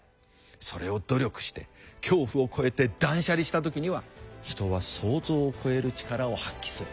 それを努力して恐怖を越えて断捨離した時には人は想像を超える力を発揮する。